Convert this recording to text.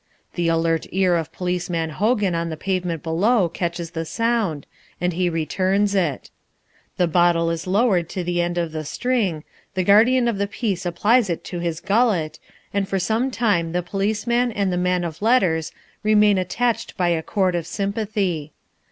The alert ear of Policeman Hogan on the pavement below catches the sound, and he returns it. The bottle is lowered to the end of the string, the guardian of the peace applies it to his gullet, and for some time the policeman and the man of letters remain attached by a cord of sympathy.